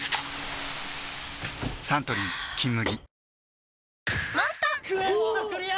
サントリー「金麦」